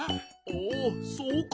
おおそうか。